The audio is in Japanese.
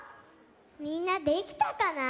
みんなできたかな？